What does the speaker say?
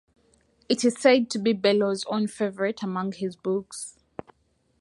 It is said to be Bellow's own favorite amongst his books.